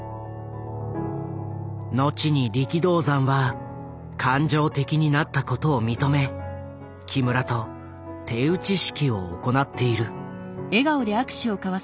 後に力道山は感情的になったことを認め木村と手打ち式を行っている。